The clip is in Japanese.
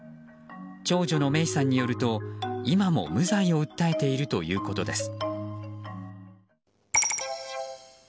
長女のメイさんによると今も無罪を訴えているということです。